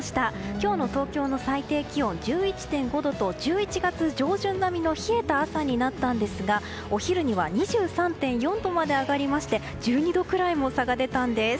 今日の東京の最低気温１１．５度と１１月上旬並みの冷えた朝になったんですがお昼には２３．４度まで上がりまして１２度くらいも差が出たんです。